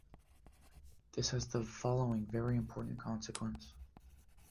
This has the following very important consequence.